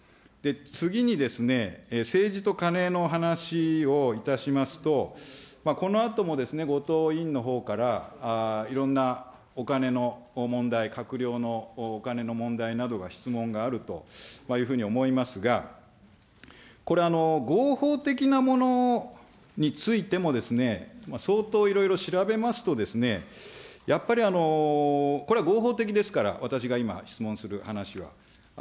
次にですね、政治とカネの話をいたしますと、このあとも、後藤委員のほうから、いろんなお金の問題、閣僚のお金の問題などが質問があるというふうに思いますが、合法的なものについても、相当いろいろ調べますと、やっぱり、これ合法的ですから、私が今、質問する話は。